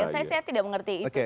saya tidak mengerti itu